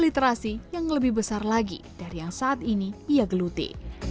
literasi yang lebih besar lagi dari yang saat ini ia geluti